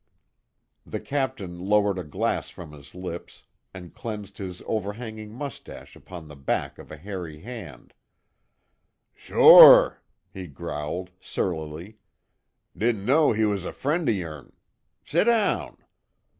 The Captain lowered a glass from his lips, and cleansed his overhanging mustache upon the back of a hairy hand: "Sure," he growled, surlily, "Didn't know he was friend o' yourn. S'down."